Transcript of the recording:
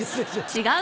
違う。